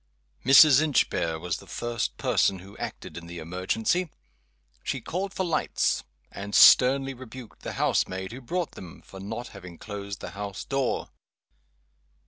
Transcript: MRS. INCHBARE was the first person who acted in the emergency. She called for lights; and sternly rebuked the house maid, who brought them, for not having closed the house door.